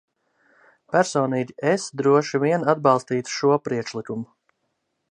Personīgi es droši vien atbalstītu šo priekšlikumu.